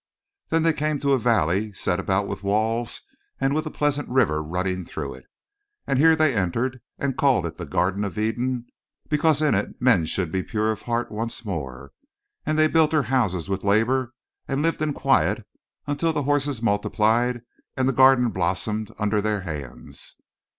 "Then they came to a valley set about with walls and with a pleasant river running through it, and here they entered and called it the Garden of Eden because in it men should be pure of heart once more. And they built their houses with labor and lived in quiet and the horses multiplied and the Garden blossomed under their hands."